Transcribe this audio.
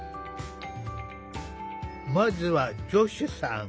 まずはジョシュさん。